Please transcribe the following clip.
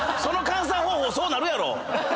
その換算方法そうなるやろ！